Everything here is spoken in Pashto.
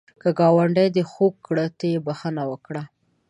که ګاونډی دی خوږ کړي، ته یې بخښه وکړه